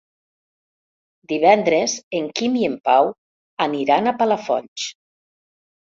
Divendres en Quim i en Pau aniran a Palafolls.